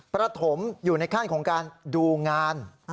ประถมอยู่ในขั้นของการดูงาน